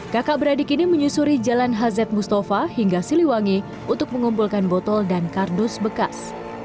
kakak beradik ini menyusuri jalan hz mustafa hingga siliwangi untuk mengumpulkan botol dan kardus bekas